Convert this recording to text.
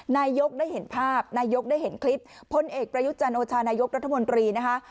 นายกได้เห็นภาพนายกได้เห็นคลิปพลเอกประยุจันทร์โอชานายกรัฐมนตรีนะคะ